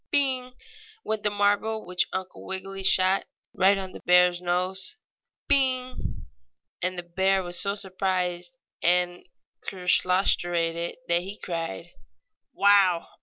"Bing!" went the marble which Uncle Wiggily shot, right on the bear's nose. "Bing!" And the bear was so surprised and kerslostrated that he cried: "Wow!